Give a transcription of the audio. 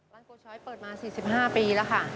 โกช้อยเปิดมา๔๕ปีแล้วค่ะ